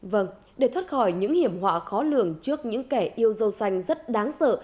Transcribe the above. vâng để thoát khỏi những hiểm họa khó lường trước những kẻ yêu xanh rất đáng sợ